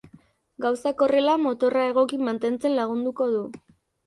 Gauzak horrela motorra egoki mantentzen lagunduko du.